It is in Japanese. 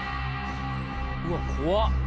「うわっ怖っ！